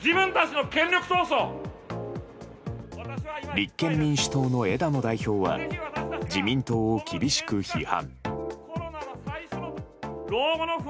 立憲民主党の枝野代表は自民党を厳しく批判。